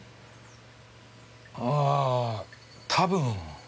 ああ多分。